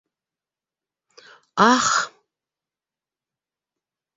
Ах!...